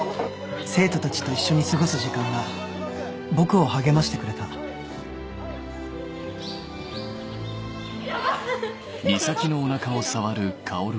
生徒たちと一緒に過ごす時間が僕を励ましてくれた触って触って。